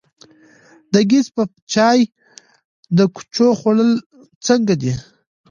د ګیځ په چای د کوچو خوړل څنګه دي؟